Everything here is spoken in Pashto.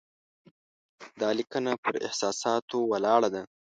دا لیکنه پر احساساتو ولاړه ده.